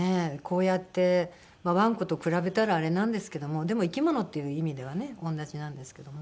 こうやってワンコと比べたらあれなんですけどもでも生き物っていう意味ではね同じなんですけども。